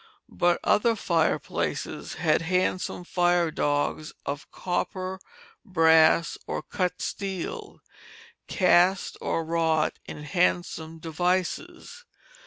But other fireplaces had handsome fire dogs of copper, brass, or cut steel, cast or wrought in handsome devices.